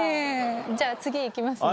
じゃあ次行きますね。